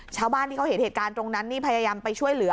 ชาวบ้านที่เขาเห็นเหตุการณ์ตรงนั้นนี่พยายามไปช่วยเหลือ